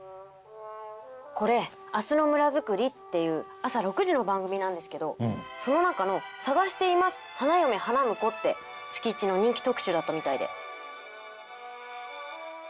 これ「あすの村づくり」っていう朝６時の番組なんですけどその中の「さがしています花嫁花婿」って月１の人気特集だったみたいで。